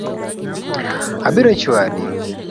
Abiro chwadi